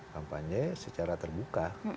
kampanye secara terbuka